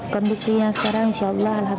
kondisinya sekarang insya allah alhamdulillah